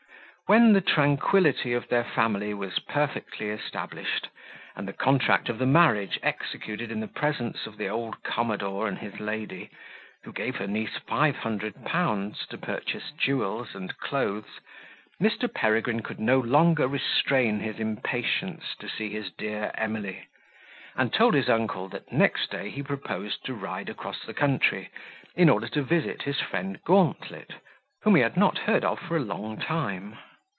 When the tranquility of their family was perfectly established, and the contract of the marriage executed in the presence of the old commodore and his lady, who gave her niece five hundred pounds to purchase jewels and clothes, Mr. Peregrine could no longer restrain his impatience to see his dear Emily; and told his uncle, that next day he proposed to ride across the country, in order to visit his friend Gauntlet, whom he had not heard of for a long time.